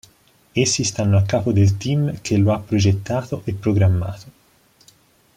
Essi stanno a capo del team che lo ha progettato e programmato.